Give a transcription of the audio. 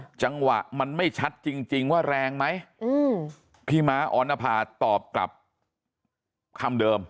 จังหวะมันไม่ชัดจริงจริงว่าแรงไหมอืมพี่ม้าออนภาตอบกลับคำเดิม